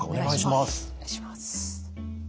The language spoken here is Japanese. お願いします。